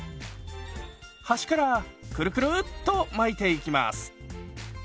端からクルクルッと巻いていきます。